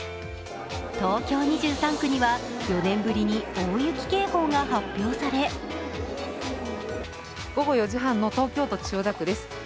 東京２３区には４年ぶりに大雪警報が発表され午後４時半の東京都千代田区です